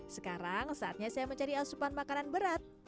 sekarang saatnya saya mencari asupan makanan berat